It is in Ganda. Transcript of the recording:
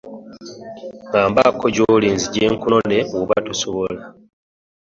Ngambako gyoli nzije kunone bwoba tosobola.